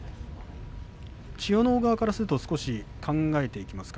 千代ノ皇側からすると少し考えていきますかね？